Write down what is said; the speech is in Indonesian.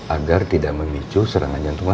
agar tidak memicu serangan jantung